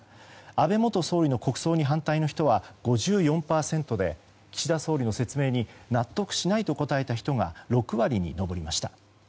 安倍元総理の国葬に反対の人は５４％で岸田総理の説明に納得しないと答えた人が６割に上りました。